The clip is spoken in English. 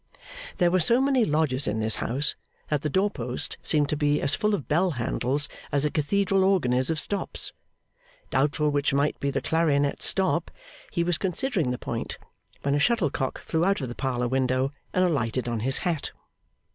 There were so many lodgers in this house that the doorpost seemed to be as full of bell handles as a cathedral organ is of stops. Doubtful which might be the clarionet stop, he was considering the point, when a shuttlecock flew out of the parlour window, and alighted on his hat.